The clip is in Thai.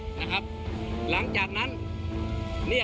ผมตัดสินปัญหาโดยการที่ผมอ่ะ